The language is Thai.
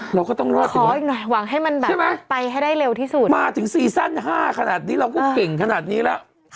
เราก็ต้องรอดใช่ไหมมาถึงซีซั่น๕ขนาดนี้เราก็เก่งขนาดนี้แล้ว